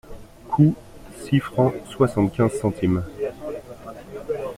Coût : six francs soixante-quinze centimes.